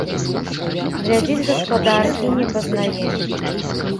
Глядзіць гаспадар і не пазнае.